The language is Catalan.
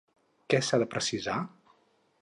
Què s'ha de precisar?